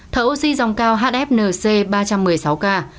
thở oxy dòng cao hfnc ba trăm một mươi sáu k